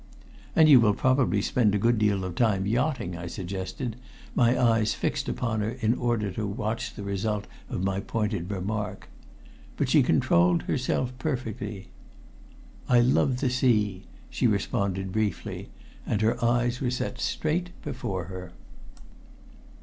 "And you will probably spend a good deal of time yachting?" I suggested, my eyes fixed upon her in order to watch the result of my pointed remark. But she controlled herself perfectly. "I love the sea," she responded briefly, and her eyes were set straight before her.